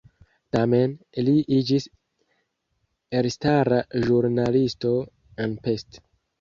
Tamen li iĝis elstara ĵurnalisto en Pest.